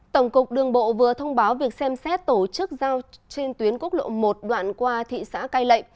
tổng cục đường bộ vừa thông báo việc xem xét tổ chức giao trên tuyến quốc lộ một đoạn qua thị xã cai lệ